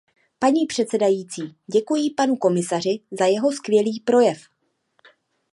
Paní předsedající, děkuji panu komisaři za jeho skvělý projev.